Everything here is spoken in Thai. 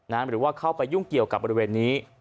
หรือว่าเข้าไปยุ่งเกี่ยวกับบริเวณนี้